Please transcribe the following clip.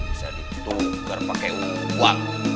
bisa ditukar pakai uang